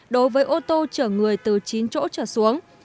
đối với ô tô chở người từ chín chỗ chở xuống